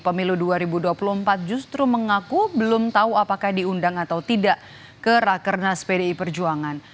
pemilu dua ribu dua puluh empat justru mengaku belum tahu apakah diundang atau tidak ke rakernas pdi perjuangan